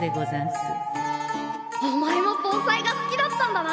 お前も盆栽が好きだったんだな！